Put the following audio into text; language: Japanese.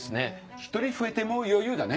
１人増えても余裕だね。